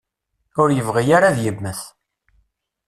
Ur yebɣi ara ad yemmet.